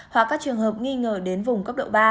hoặc các trường hợp nghi ngờ đến vùng cấp độ ba